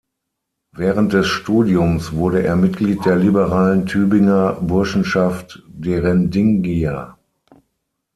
Während des Studiums wurde er Mitglied der liberalen Tübinger Burschenschaft Derendingia.